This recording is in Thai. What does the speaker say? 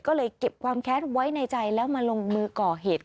ก็เลยเก็บความแค้นไว้ในใจแล้วมาลงมือก่อเหตุ